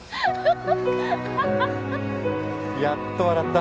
やっと笑った。